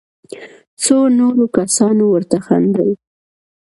څو نورو کسانو ورته خندل.